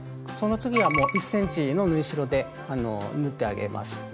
その次は１ｃｍの縫い代で縫ってあげます。